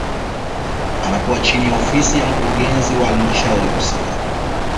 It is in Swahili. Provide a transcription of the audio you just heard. Anakuwa chini ya ofisi ya mkurugenzi wa halmashauri husika